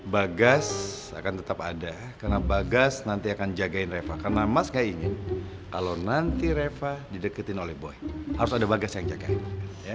bagas akan tetap ada karena bagas nanti akan jagain reva karena mas gak ingin kalau nanti reva dideketin oleh boy harus ada bagas yang jagain